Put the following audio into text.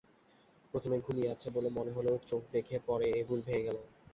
প্রথমে ঘুমিয়ে আছে বলে মনে হলেও চোখ দেখে পরে এ ভুল ভেঙে গেল।